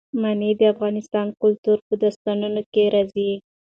منی د افغان کلتور په داستانونو کې راځي.